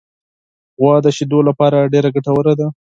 غوا د شیدو لپاره ډېره ګټوره ده.